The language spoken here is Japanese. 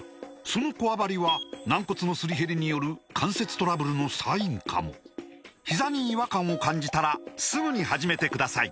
そのこわばりは軟骨のすり減りによる関節トラブルのサインかもひざに違和感を感じたらすぐに始めてください